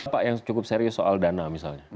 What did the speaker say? pak yang cukup serius soal dana misalnya